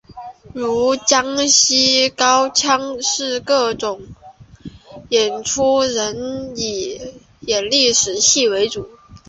如江西高腔的各种演出仍以演历史戏为主。